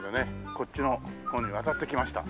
こっちの方に渡ってきました。